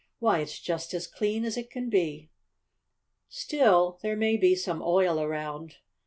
"Why, it's just as clean as it can be!" "Still, there may be some oil around."